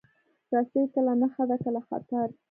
رسۍ کله نښه ده، کله خطر.